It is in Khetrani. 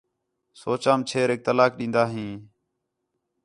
سوچام چھریک طلاق ݙین٘دا ہیں